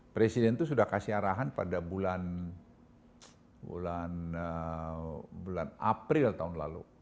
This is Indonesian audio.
presiden itu sudah kasih arahan pada bulan april tahun lalu